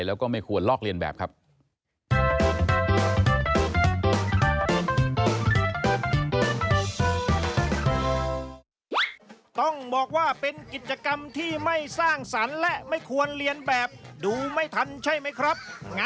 แล้วก็ไม่ควรลอกเลียนแบบครับ